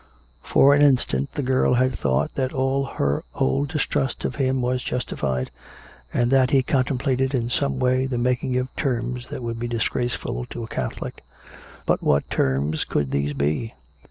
For an instant the girl had thought that all her old dis trust of him was justified, and that he contemplated in s'ome way the making of terms that would be disgraceful to a Catholic. But what terms could these be?